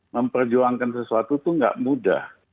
memperjuangkan sesuatu itu tidak mudah